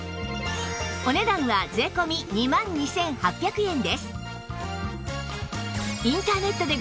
お値段は税込２万２８００円です